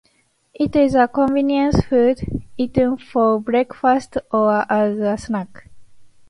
It is a convenience food, eaten for breakfast or as a snack.